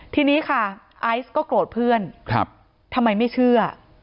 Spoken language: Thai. ทีนี้ค่ะไอซ์ก็โกรธเพื่อนทำไมไม่เชื่อ